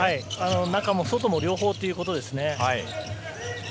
中も外も両方ということですね。